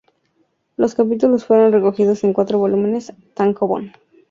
Los capítulos fueron recogidos en cuatro volúmenes tankōbon.